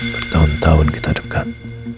bertahun tahun kita dekat